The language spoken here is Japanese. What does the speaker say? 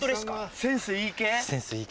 センスいい系？